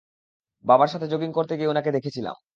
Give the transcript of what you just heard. বাবার সাথে জগিং করতে গিয়ে উনাকে দেখেছিলাম।